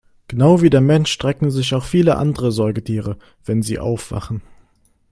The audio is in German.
Genau wie der Mensch strecken sich auch viele andere Säugetiere, wenn sie aufwachen.